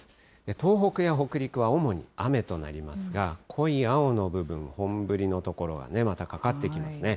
東北や北陸は主に雨となりますが、濃い青の部分、本降りの所はまたかかってきますね。